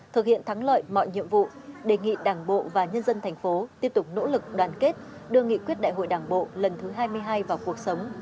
thực hiện thắng lợi mọi nhiệm vụ đề nghị đảng bộ và nhân dân thành phố tiếp tục nỗ lực đoàn kết đưa nghị quyết đại hội đảng bộ lần thứ hai mươi hai vào cuộc sống